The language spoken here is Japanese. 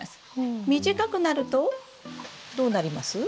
短くなるとどうなります？